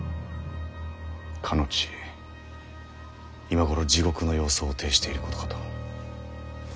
かの地今頃地獄の様相を呈していることかと。